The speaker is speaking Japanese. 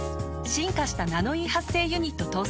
進化した「ナノイー」発生ユニット搭載。